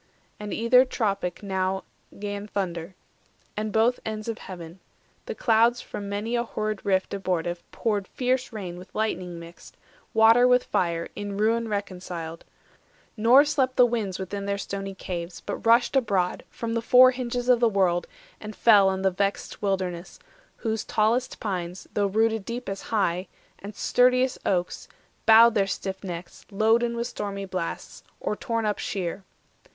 And either tropic now 'Gan thunder, and both ends of heaven; the clouds 410 From many a horrid rift abortive poured Fierce rain with lightning mixed, water with fire, In ruin reconciled; nor slept the winds Within their stony caves, but rushed abroad From the four hinges of the world, and fell On the vexed wilderness, whose tallest pines, Though rooted deep as high, and sturdiest oaks, Bowed their stiff necks, loaden with stormy blasts, Or torn up sheer.